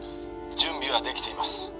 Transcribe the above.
準備はできています